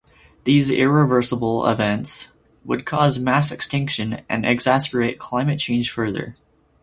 These irreversible events would cause mass extinction and exacerbate climate change further.